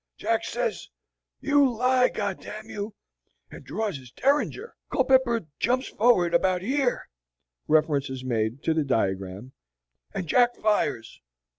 Jack says, 'You lie, G d d mn you,' and draws his derringer. Culpepper jumps forward about here" (reference is made to the diagram) "and Jack fires.